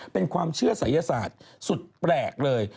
เป็นความเชื่อศัยศาสตร์สุดแปลกเลย